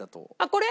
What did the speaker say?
これ？